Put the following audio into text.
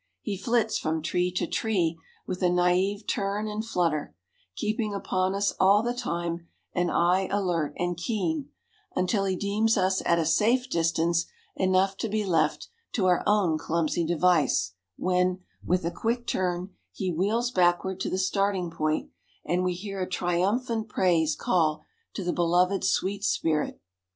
He flits from tree to tree with a naive turn and flutter, keeping upon us all the time, an eye alert and keen, until he deems us at a safe distance enough to be left to our own clumsy device, when, with a quick turn, he wheels backward to the starting point, and we hear a triumphant praise call to the beloved "Sweet Spirit."